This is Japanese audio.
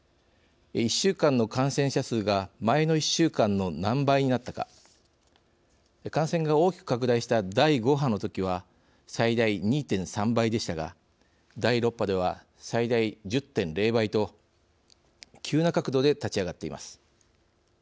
１週間の感染者数が前の１週間の何倍になったか感染が大きく拡大した第５波のときは最大２．３倍でしたが第６波では最大１０．０倍と急な角度で立ち上がっています。